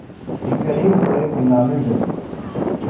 Ikker Yuba yakan neɣ mazal?